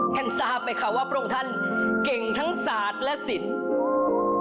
แค่ทราบไปค่ะว่าพรงฮันเก่งทั้งศาสตร์และศิลป์